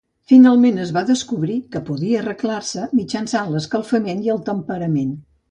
Finalment es va descobrir que podia arreglar-se mitjançant l'escalfament i el temperament.